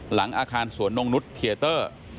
หลังอาคารสวนนงนุษย์เทียเตอร์